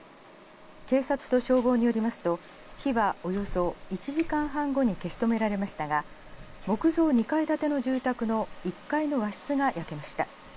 警察と消防によりますと火はおよそ１時間半後に消し止められましたが木造２階建ての住宅の１階の和室が焼けました。